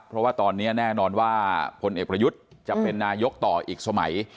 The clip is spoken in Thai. เพราะว่าตอนนี้แน่นอนว่าพลเอกประยุทธ์จะเป็นนายกต่ออีกสมัย